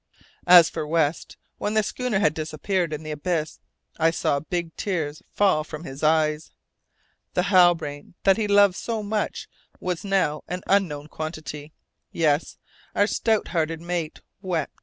As for West, when the schooner had disappeared in the abyss, I saw big tears fall from his eyes. The Halbrane that he loved so much was now an unknown quantity! Yes, our stout hearted mate wept.